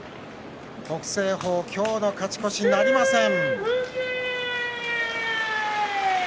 北青鵬、今日の勝ち越しなりません。